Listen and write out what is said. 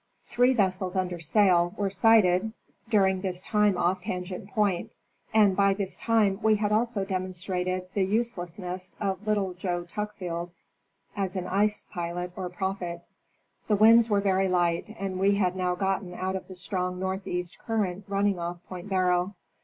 Three vessels under sail were sighted 184 } National Geographic Magazine. during this time off Tangent point, and by this time we had also demonstrated the uselessness of Little Joe Tuckfield as an ice pilot or prophet. The winds were very light and we had now gotton out of the strong northeast current running off Point Barrow.